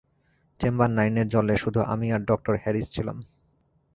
Chamber নাইনের জলে শুধু আমি আর ডাঃ হ্যারিস ছিলাম।